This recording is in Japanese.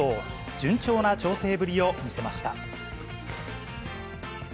順調な調整ぶりを見せました。